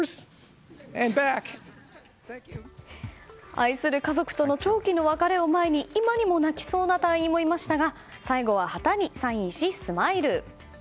愛する家族との長期の別れを前に今にも泣きそうな隊員もいましたが最後は旗にサインし、スマイル！